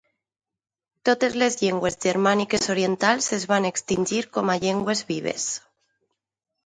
Totes les llengües germàniques orientals es van extingir com a llengües vives.